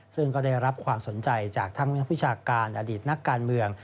ซึ่งก็ได้รับความสนใจจากทั้งนักวิชาการอดีตนักการเมือง